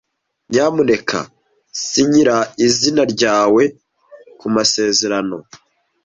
Nyamuneka sinyira izina ryawe kumasezerano.